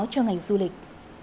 cho ngành du lịch